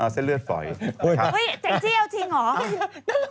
เจ้งจี้เอาจริงเหรอ